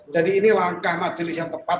jadi ini langkah majelis yang tepat